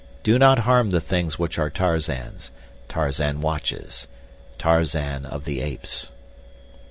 DO NOT HARM THE THINGS WHICH ARE TARZAN'S. TARZAN WATCHES. TARZAN OF THE APES.